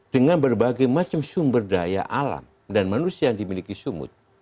dengan berbagai macam sumber daya alam dan manusia yang dimiliki sumut